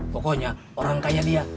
pokoknya orang kaya dia